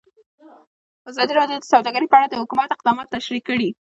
ازادي راډیو د سوداګري په اړه د حکومت اقدامات تشریح کړي.